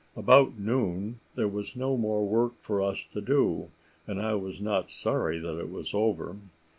About noon there was no more work for us to do, and I was not sorry that it was over.